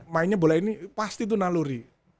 mainnya bola ini pasti itu naluri